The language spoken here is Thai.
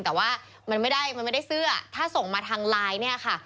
แต่ว่ามันไม่ได้เสื้อถ้าส่งมาทางไลน์เนี่ยค่ะ